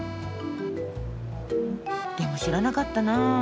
でも知らなかったなあ。